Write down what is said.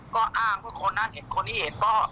ก็อ้างว่าคนนั้นเห็นคนนี้เห็นก็